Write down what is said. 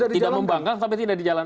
tidak membangkang tapi tidak dijalankan